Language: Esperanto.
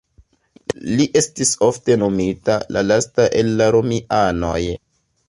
Li estis ofte nomita "la lasta el la Romianoj".